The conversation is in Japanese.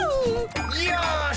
よし。